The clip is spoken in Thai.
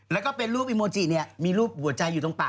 แล้วก็เป็นรูปอิโมจิเนี่ยมีรูปหัวใจอยู่ตรงป่า